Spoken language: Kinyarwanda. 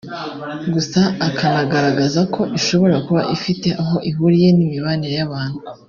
gusa akanagaragaza ko ishobora kuba ifite aho ihuriye n’imibanire y’abantu